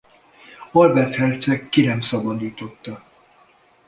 Albert herceg ki nem szabadította.